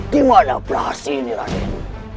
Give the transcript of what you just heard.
dimana perasaan ini raden